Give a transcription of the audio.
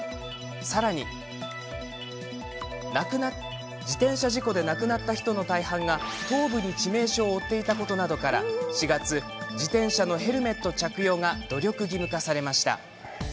さらに自転車事故で亡くなった人の大半が頭部に致命傷を負っていたことなどから４月、自転車のヘルメット着用が努力義務化されました。